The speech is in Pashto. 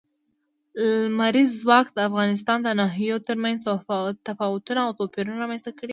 لمریز ځواک د افغانستان د ناحیو ترمنځ تفاوتونه او توپیرونه رامنځ ته کوي.